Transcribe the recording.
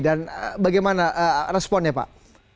dan bagaimana responnya pak